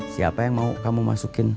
siapa yang mau kamu masukin